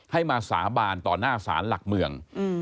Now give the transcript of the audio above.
ให้มาสาบานต่อหน้าศาลหลักเมือง